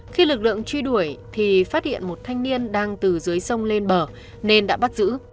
khi lực lượng truy đuổi thì phát hiện một thanh niên đang từ dưới sông lên bờ nên đã bắt giữ